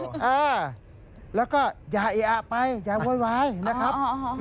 อ่าแล้วก็อย่าเออะไปอย่าโวยวายนะครับ